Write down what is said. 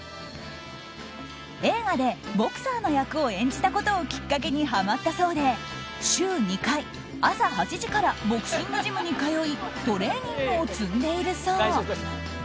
映画でボクサーの役を演じたことをきっかけにハマったそうで週２回、朝８時からボクシングジムに通いトレーニングを積んでいるそう。